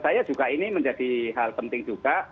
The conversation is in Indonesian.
saya juga ini menjadi hal penting juga